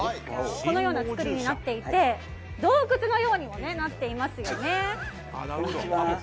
このような造りになっていて洞くつのようにもなっていますよね。